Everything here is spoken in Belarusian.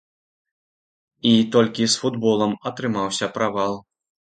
І толькі з футболам атрымаўся правал.